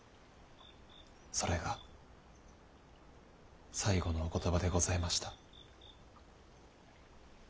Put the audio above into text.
それが最後のお言葉でございました。